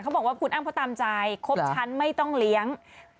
บอกว่าคุณอ้ำเขาตามใจครบชั้นไม่ต้องเลี้ยง